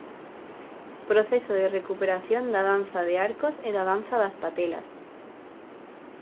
Proceso de recuperación da danza de arcos e da danza das patelas.